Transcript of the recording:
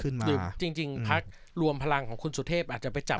ขึ้นมาจริงจริงภักดิ์รวมพลังของคุณสุทธิพย์อาจจะไปจับ